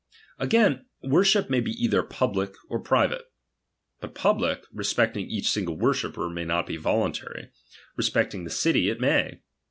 Again, worship may be either public or private. But public, respecting each single worshipper, may not be vohintary ; respecting the city, it may.